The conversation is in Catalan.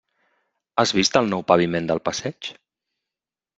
Has vist el nou paviment del passeig?